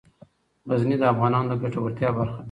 غزني د افغانانو د ګټورتیا برخه ده.